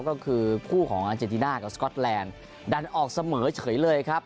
ก็คือคู่ของอาเจติน่ากับสก๊อตแลนด์ดันออกเสมอเฉยเลยครับ